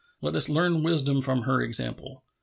Let us learn wisdom from her example.